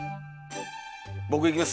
僕いきます。